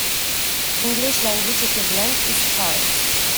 The English language equivalent is Charles.